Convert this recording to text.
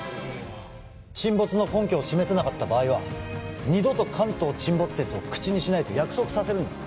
沈没の根拠を示せなかった場合は二度と関東沈没説を口にしないと約束させるんです・